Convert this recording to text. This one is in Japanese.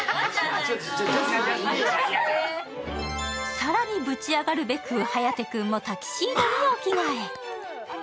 更にブチ上がるべく颯君もタキシードにお着替え。